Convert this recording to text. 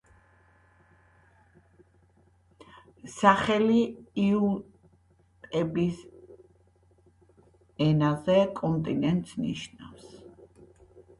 სახელი ინუიტების ენაზე „კონტინენტს“ ნიშნავს.